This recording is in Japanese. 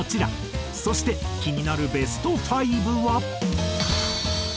そして気になるベスト５は。